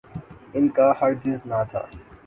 ان کا ہرگز نہ تھا۔